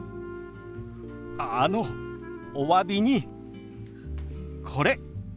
あのおわびにこれ。